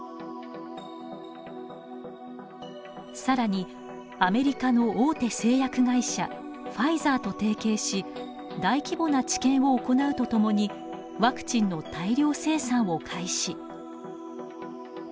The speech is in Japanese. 更にアメリカの大手製薬会社ファイザーと提携し大規模な治験を行うとともにワクチンの大量生産を開始。